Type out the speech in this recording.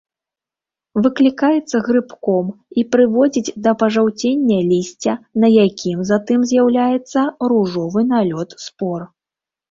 Выклікаецца грыбком і прыводзіць да пажаўцення лісця, на якім затым з'яўляецца ружовы налёт спор.